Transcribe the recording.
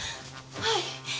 はい。